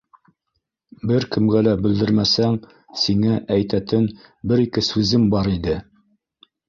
— Бер кемгә лә белдермәсәң, сиңә әйтәтен бер-ике сүзем бар иде...